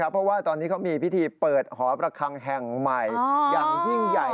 เพราะว่าตอนนี้เขามีพิธีเปิดหอประคังแห่งใหม่อย่างยิ่งใหญ่